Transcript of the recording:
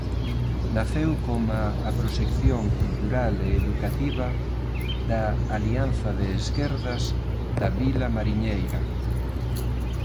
Naceu coma a proxección cultural e educativa da Alianza de Esquerdas da vila mariñeira.